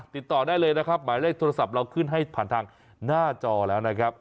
ติดต่อได้เลยนะครับหมายเลขโทรศัพท์เราขึ้นให้ผ่านทางหน้าจอแล้วนะครับ